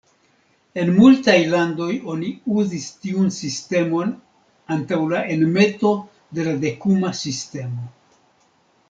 En multaj landoj oni uzis tiun sistemon antaŭ la enmeto de la dekuma sistemo.